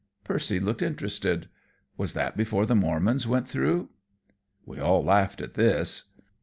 Percy looked interested. "Was that before the Mormons went through?" We all laughed at this.